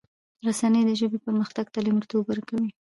رسنی دي د ژبې پرمختګ ته لومړیتوب ورکړي.